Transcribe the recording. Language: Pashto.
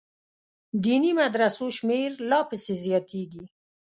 دیني مدرسو شمېر لا پسې زیاتېږي.